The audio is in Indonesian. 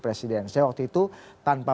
presiden saya waktu itu tanpa